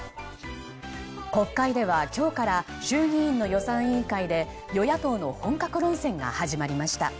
国会では今日から衆議院の予算委員会で与野党の本格論戦が始まりました。